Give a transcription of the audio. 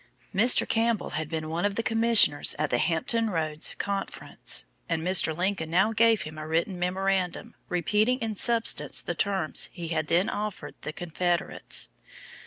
Mr. Campbell had been one of the commissioners at the Hampton Roads conference, and Mr. Lincoln now gave him a written memorandum repeating in substance the terms he had then offered the Confederates.